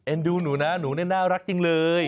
เอ็นดูหนูนะหนูน่ารักจริงเลย